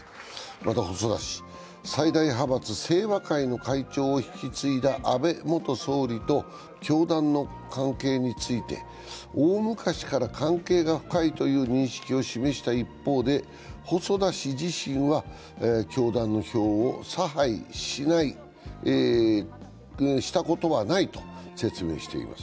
また細田氏、最大派閥・清和会の会長を引き継いだ安倍元総理と教団の関係について大昔から関係が深いという認識を示した一方で、細田氏自身は教団の票を差配したことはないと説明しています。